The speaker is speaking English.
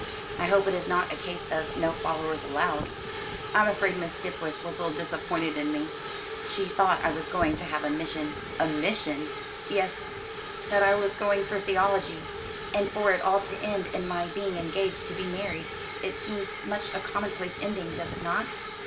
I hope it is not a case of 'no followers allowed.'" "I'm afraid Miss Skipwith will feel disappointed in me. She thought I was going to have a mission." "A mission!" "Yes; that I was going for theology. And for it all to end in my being engaged to be married! It seems such a commonplace ending, does it not?"